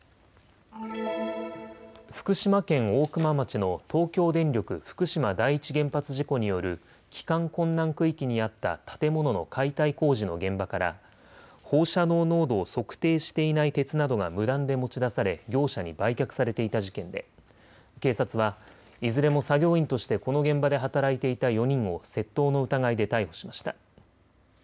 福島県大熊町の東京電力福島第一原発事故による帰還困難区域にあった建物の解体工事の現場から放射能濃度を測定していない鉄などが無断で持ち出され業者に売却されていた事件で警察はいずれも作業員としてこの現場で働いていた４人を窃盗の疑いで逮捕しました。